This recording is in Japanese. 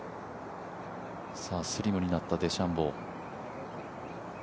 スリムになったデシャンボー。